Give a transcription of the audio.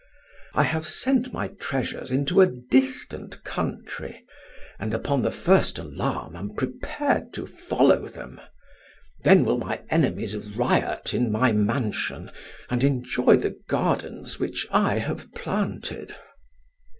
I have sent my treasures into a distant country, and upon the first alarm am prepared to follow them. Then will my enemies riot in my mansion, and enjoy the gardens which I have planted."